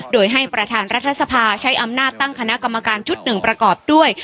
โดยให้ประธานรัฐสภาใช้อำนาจตั้งคณะกรรมการชุดหนึ่งประกอบด้วย